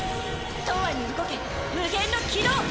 永遠に動け無限の軌道！